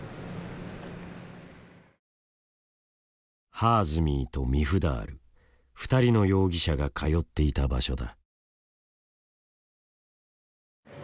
ハーズミーとミフダール２人の容疑者が通っていた場所だ。